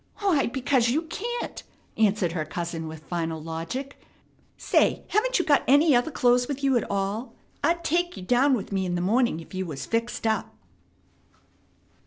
"Why, because you can't!" answered her cousin with final logic. "Say, haven't you got any other clothes with you at all? I'd take you down with me in the morning if you was fixed up."